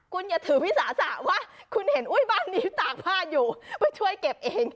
คุณอย่าถือวิสาสะว่าคุณเห็นบ้านนี้ตากผ้าอยู่ไปช่วยเก็บเอง